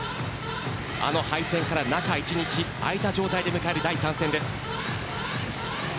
あの敗戦から中１日開いた状態で迎える第３戦。